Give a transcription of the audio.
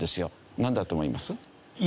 なんだと思います？